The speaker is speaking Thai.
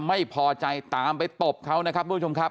ไม่พอใจตามไปตบเขานะครับทุกผู้ชมครับ